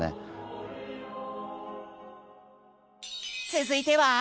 続いては？